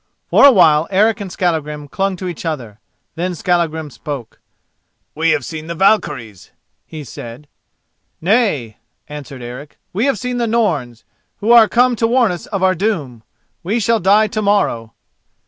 For a while Eric and Skallagrim clung to each other. Then Skallagrim spoke. "We have seen the Valkyries," he said. "Nay," answered Eric, "we have seen the Norns—who are come to warn us of our doom! We shall die to morrow."